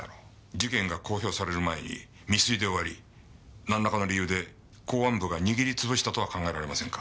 事件が公表される前に未遂で終わりなんらかの理由で公安部が握り潰したとは考えられませんか？